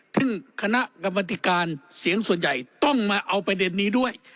ซึ่งคณะกรรมติการเสียงส่วนใหญ่ต้องมาเอาประเด็นนี้ด้วย